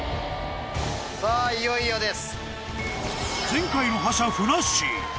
さぁいよいよです。